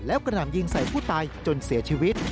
แล้วกระหน่ำยิงใส่ผู้ตายจนเสียชีวิต